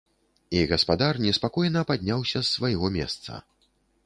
І гаспадар неспакойна падняўся з свайго месца.